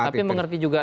tapi mengerti juga